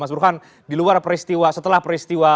mas burhan di luar peristiwa setelah peristiwa